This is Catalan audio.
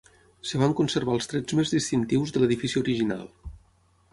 Es van conservar els trets més distintius de l'edifici original.